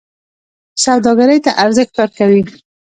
سوداګرۍ ته ارزښت ورکوي.